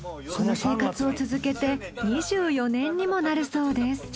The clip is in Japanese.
この生活を続けて２４年にもなるそうです。